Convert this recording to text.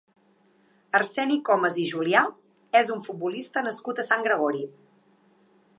Arseni Comas i Julià és un futbolista nascut a Sant Gregori.